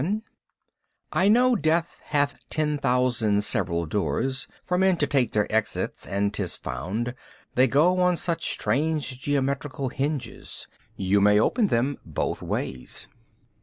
VII I know death hath ten thousand several doors For men to take their exits, and 'tis found They go on such strange geometrical hinges, You may open them both ways.